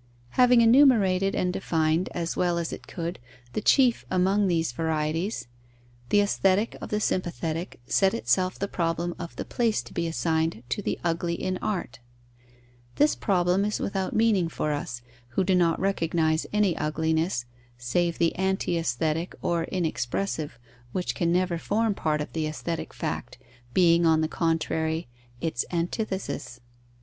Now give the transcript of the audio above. _ Having enumerated and defined, as well as it could, the chief among these varieties, the Aesthetic of the sympathetic set itself the problem of the place to be assigned to the ugly in art. This problem is without meaning for us, who do not recognize any ugliness save the anti aesthetic or inexpressive, which can never form part of the aesthetic fact, being, on the contrary, its antithesis.